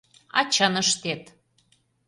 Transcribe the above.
А чын ыштет.